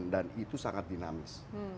dan itu sangat dinamis